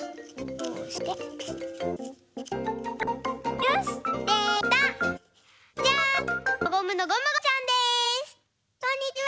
こんにちは！